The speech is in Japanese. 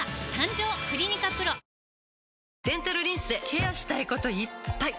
デンタルリンスでケアしたいこといっぱい！